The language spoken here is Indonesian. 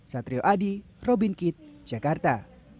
satrio adi robin kitt jakarta